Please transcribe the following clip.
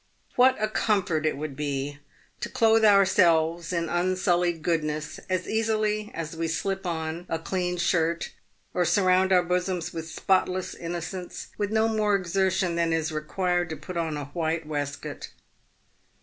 "What a comfort it would be to clothe ourselves in unsullied goodness as easily as we slip on a clean shirt, or surround our bosoms with spotless innocence with no more exertion than is required to put on a white waistcoat